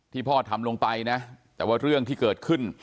พ่อทำลงไปนะแต่ว่าเรื่องที่เกิดขึ้น